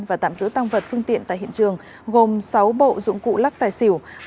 và tạm giữ tăng vật phương tiện tại hiện trường gồm sáu bộ dụng cụ lắc tài xỉu